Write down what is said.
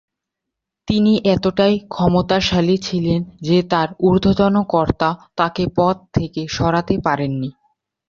তিনি এতটাই ক্ষমতাশালী ছিলেন যে তার ঊর্ধ্বতন কর্তা তাকে পদ থেকে সরাতে পারেননি।